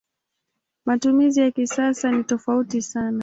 Matumizi ya kisasa ni tofauti sana.